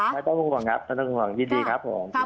ไม่ต้องห่วงครับไม่ต้องห่วงยินดีครับผม